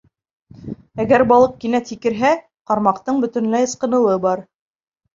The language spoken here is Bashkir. Әгәр балыҡ кинәт һикерһә, ҡармаҡтың бөтөнләй ысҡыныуы бар.